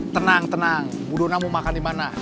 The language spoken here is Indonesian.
tenang tenang budona mau makan dimana